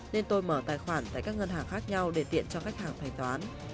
nên tôi mở tài khoản tại các ngân hàng khác nhau để tiện cho các hàng thay toán